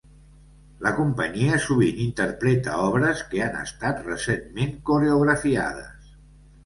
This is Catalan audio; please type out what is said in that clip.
La companyia sovint interpreta obres que han estat recentment coreografiades.